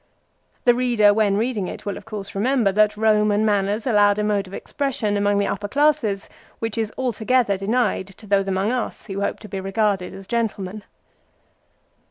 The reader when read ing it will of course remember that Eoman manners allowed a mode of expression among the upper classes which is altogether denied to those among us who hope to be regarded as gentlemen.